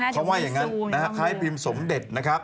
เพราะว่าอย่างนั้นข้ายพิมพ์สมเด็จ